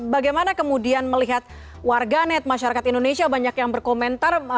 bagaimana kemudian melihat warga net masyarakat indonesia banyak yang berkomentar